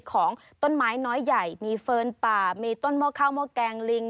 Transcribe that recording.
ของต้นไม้น้อยใหญ่มีเฟิร์นป่ามีต้นหม้อข้าวหม้อแกงลิง